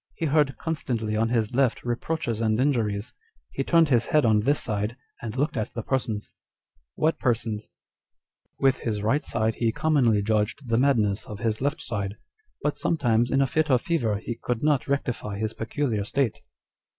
He heard constantly on his left reproaches and injuries ; he turned his head on this side, and looked at the persons." â€" [What persons?] â€" " With his right side he commonly judged the madness of his left side ; hut sometimes in a fit of fever he could not rectify his peculiar state.